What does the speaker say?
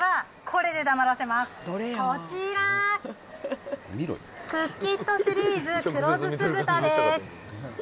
こちら、クッキットシリーズ黒酢酢豚です。